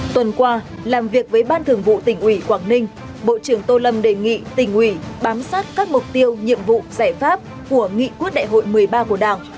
tuần qua làm việc với ban thường vụ tỉnh ủy quảng ninh bộ trưởng tô lâm đề nghị tỉnh ủy bám sát các mục tiêu nhiệm vụ giải pháp của nghị quyết đại hội một mươi ba của đảng